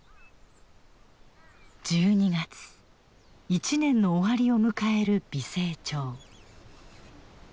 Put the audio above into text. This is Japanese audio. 一年の終わりを迎える美星町。